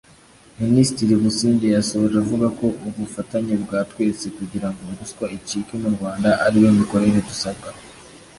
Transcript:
Minisitiri Busingye yasoje avuga ko ubufatanye bwa twese kugira ngo ruswa icike mu Rwanda ariyo mikorere dusabwa